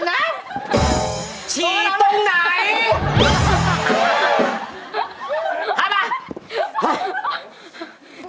อย่างแรกนะครับ